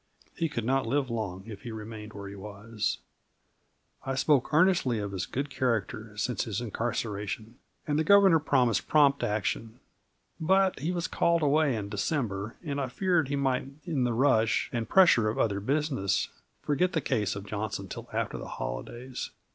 He could not live long if he remained where he was. I spoke earnestly of his good character since his incarceration, and the Governor promised prompt action. But he was called away in December and I feared that he might, in the rush and pressure of other business, forget the case of Johnson till after the holidays.